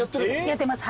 やってます